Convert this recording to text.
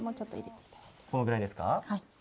これくらいですか？